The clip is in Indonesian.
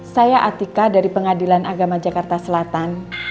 saya atika dari pengadilan agama jakarta selatan